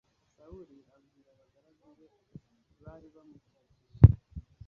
sawuli abwira abagaragu be bari bamukikije